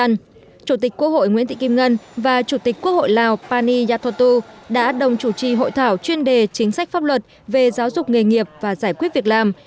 trong thời gian thăm lào chủ tịch quốc hội nguyễn thị kim ngân và chủ tịch quốc hội lào pani yatotu đã đồng chủ trì hội thảo chuyên đề chính sách pháp luật về giáo dục nghề nghiệp và giải quyết việc làm